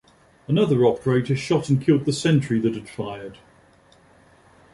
Another operator shot and killed the sentry that had fired.